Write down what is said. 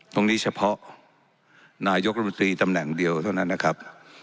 เฉพาะนายกรมนตรีตำแหน่งเดียวเท่านั้นนะครับ